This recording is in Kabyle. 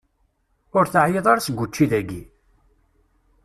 Ur teεyiḍ ara seg učči dayi?